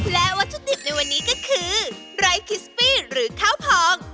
และวัตถุดิบในวันนี้ก็คือไร้คิสปี้หรือข้าวพอง